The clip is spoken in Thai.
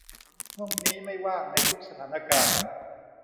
ห้องนี้ไม่ว่างในทุกสถานการณ์